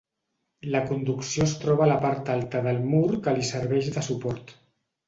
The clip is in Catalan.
La conducció es troba a la part alta del mur que li serveix de suport.